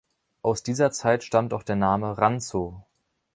Aus dieser Zeit stammt auch der Name „Ranzow“.